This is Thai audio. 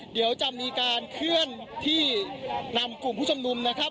เดี๋ยวจะมีการเคลื่อนที่นำกลุ่มผู้ชมนุมนะครับ